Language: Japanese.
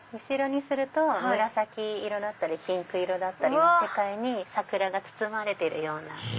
後ろにすると紫色だったりピンク色だったりの世界に桜が包まれてるような。